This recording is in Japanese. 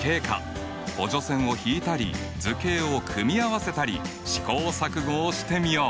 補助線を引いたり図形を組み合わせたり試行錯誤をしてみよう。